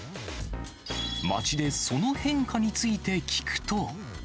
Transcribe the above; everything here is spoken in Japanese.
街でその変化について聞くと。